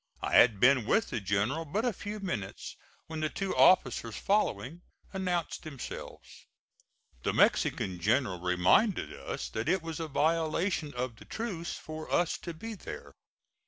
I had been with the general but a few minutes when the two officers following announced themselves. The Mexican general reminded us that it was a violation of the truce for us to be there.